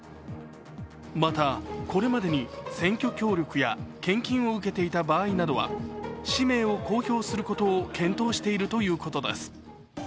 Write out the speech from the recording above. またこれまでに選挙協力や献金を受けていた場合などは氏名を公表することを検討しているということです。